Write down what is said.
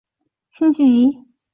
辛弃疾人。